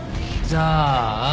じゃあ